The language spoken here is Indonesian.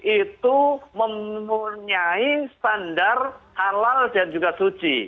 itu mempunyai standar halal dan juga suci